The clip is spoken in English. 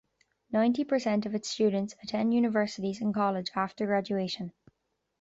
Ninety percent of its students attend universities and college after graduation.